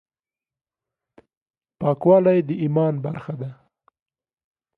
پاکوالي د ايمان برخه ده.